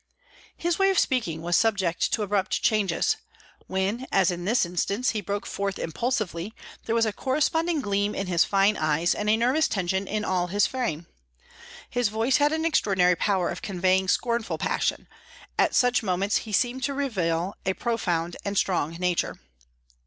His way of speaking was subject to abrupt changes. When, as in this instance, he broke forth impulsively, there was a corresponding gleam in his fine eyes and a nervous tension in all his frame. His voice had an extraordinary power of conveying scornful passion; at such moments he seemed to reveal a profound and strong nature.